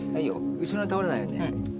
後ろに倒れないようにね。